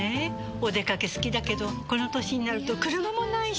お出かけ好きだけどこの歳になると車もないし。